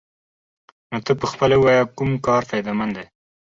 نو ته پخپله ووايه كوم كار فايده مند دې؟